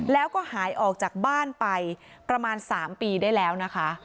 แล้วก็หายออกจากบ้านไปประมาณ๓ปีได้แล้วนะคะ